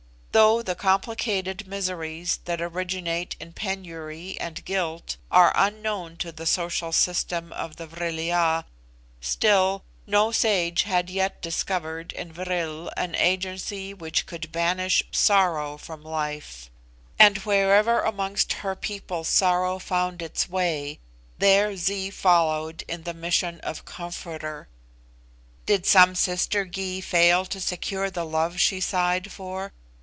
Though the complicated miseries that originate in penury and guilt are unknown to the social system of the Vril ya, still, no sage had yet discovered in vril an agency which could banish sorrow from life; and wherever amongst her people sorrow found its way, there Zee followed in the mission of comforter. Did some sister Gy fail to secure the love she sighed for?